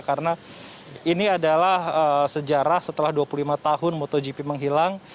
karena ini adalah sejarah setelah dua puluh lima tahun motogp menghilang